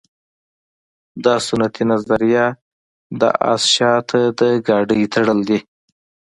دا سنتي نظریه د اس شاته د ګاډۍ تړل دي.